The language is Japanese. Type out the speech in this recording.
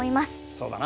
そうだな。